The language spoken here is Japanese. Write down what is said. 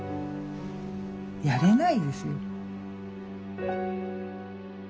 やれないですよ。